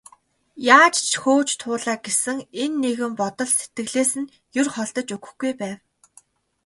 Яаж ч хөөж туулаа гэсэн энэ нэгэн бодол сэтгэлээс нь ер холдож өгөхгүй байв.